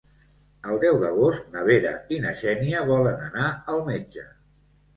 El deu d'agost na Vera i na Xènia volen anar al metge.